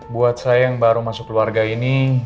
buat saya yang baru masuk keluarga ini